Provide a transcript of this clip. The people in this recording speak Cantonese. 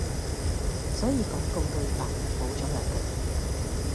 所以廣告對白無咗兩句